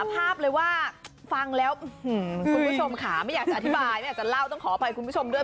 ภาพเลยว่าฟังแล้วคุณผู้ชมค่ะไม่อยากจะอธิบายไม่อยากจะเล่าต้องขออภัยคุณผู้ชมด้วย